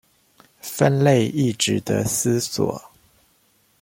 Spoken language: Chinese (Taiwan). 分類亦値得思索